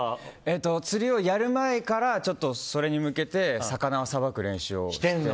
釣りをやる前からそれに向けて魚をさばく練習を。